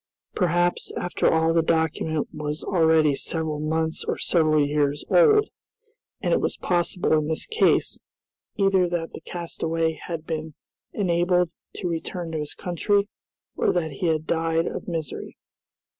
Perhaps, after all the document was already several months or several years old, and it was possible in this case, either that the castaway had been enabled to return to his country, or that he had died of misery.